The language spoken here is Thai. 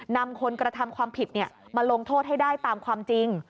นำคนกระทำความผิดมาลงโทษให้ได้ตามความจริง